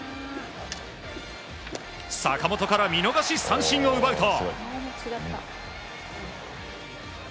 坂本から見逃し三振を奪うと。